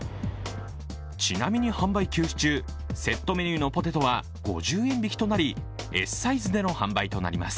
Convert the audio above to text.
ちなみに販売休止中、セットメニューのポテトは５０円引きとなり、Ｓサイズでの販売となります。